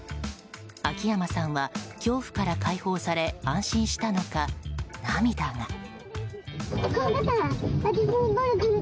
秋山さんは恐怖から解放され安心したのか、涙が。